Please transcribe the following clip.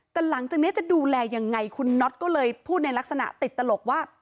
แต่หลังจากนี้จะดูแลยังไงคุณน็อตก็เลยพูดในลักษณะติดตลกว่า